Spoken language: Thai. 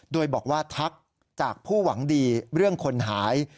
โดยบอกว่าทักจากผู้หวังดีเรื่องคนหาย